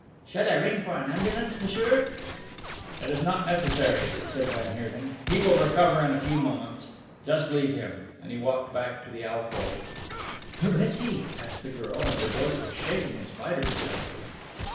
"Shall I ring for an ambulance, m'sieur?" "It is not necessary," said van Heerden. "He will recover in a few moments. Just leave him," and he walked back to the alcove. "Who is he?" asked the girl, and her voice was shaking in spite of herself.